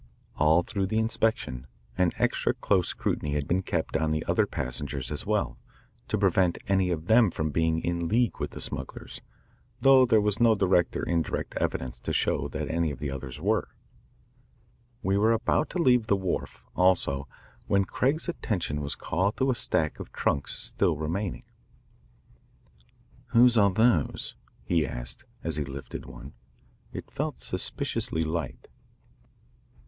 All through the inspection, an extra close scrutiny had been kept on the other passengers as well, to prevent any of them from being in league with the smugglers, though there was no direct or indirect evidence to show that any of the others were. We were about to leave the wharf, also, when Craig's attention was called to a stack of trunks still remaining. "Whose are those?" he asked as he lifted one. It felt suspiciously light.